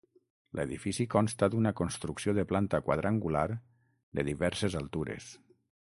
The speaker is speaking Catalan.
L'edifici consta d'una construcció de planta quadrangular, de diverses altures.